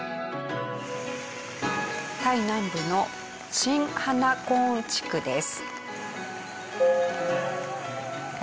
タイ南部のシンハナコーン地区です。